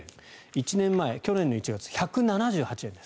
１年前、去年１月１７８円です。